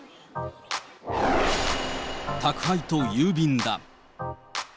宅配と郵便だ。